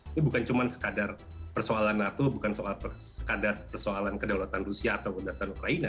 ini bukan cuma sekadar persoalan nato bukan soal sekadar persoalan kedaulatan rusia atau berdasarkan ukraina